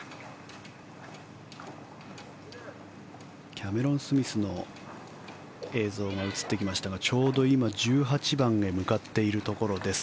キャメロン・スミスの映像が映ってきましたがちょうど今１８番へ向かっているところです。